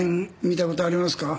見たことありますか？